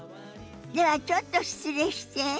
ではちょっと失礼して。